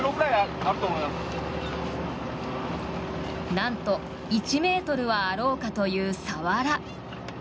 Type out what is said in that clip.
なんと１ｍはあろうかというサワラ。